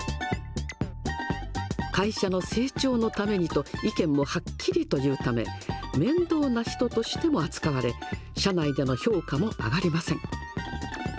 会社の成長のためにと、意見もはっきりと言うため、面倒な人としても扱われ、社内での評価も上がりません。